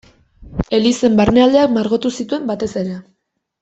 Elizen barnealdeak margotu zituen, batez ere.